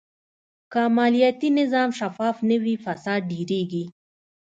که مالیاتي نظام شفاف نه وي، فساد ډېرېږي.